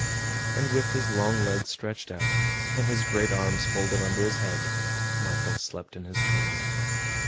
And with his long legs stretched out, and his great arms folded under his head, Michel slept in his turn.